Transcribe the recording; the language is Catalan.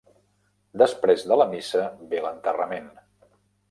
Després de la missa ve l'enterrament.